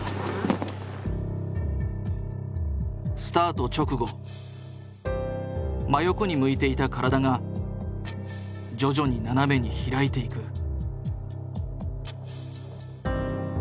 スタート直後真横に向いていた体が徐々に斜めに開いていく。